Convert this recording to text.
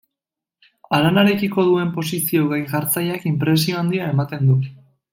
Haranarekiko duen posizio gain jartzaileak inpresio handia ematen du.